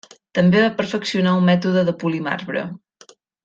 També va perfeccionar un mètode de polir marbre.